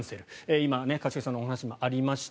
今、一茂さんのお話にもありました